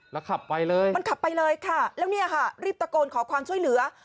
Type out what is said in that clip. แล้วขับไปเลยมันขับไปเลยค่ะแล้วเนี่ยค่ะรีบตะโกนขอความช่วยเหลือ